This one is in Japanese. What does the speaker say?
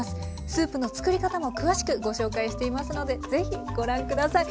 スープの作り方も詳しくご紹介していますので是非ご覧下さい。